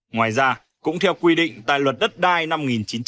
ngoài ra cũng theo quy định tại luật đất đai năm một nghìn chín trăm tám mươi